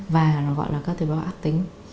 và nó gọi là các tế bào ác tính